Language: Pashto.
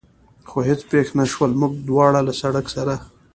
خو هېڅ پېښ نه شول، موږ دواړه له سړک سره.